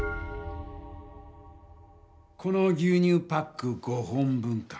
この牛乳パック５本分か。